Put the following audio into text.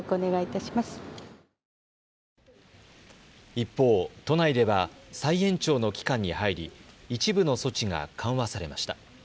一方、都内では再延長の期間に入り、一部の措置が緩和されました。